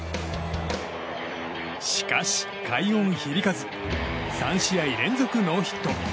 しかし快音響かず３試合連続ノーヒット。